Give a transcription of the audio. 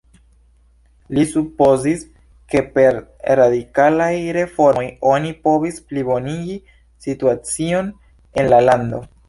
Li supozis, ke per radikalaj reformoj oni povis plibonigi situacion en la lando.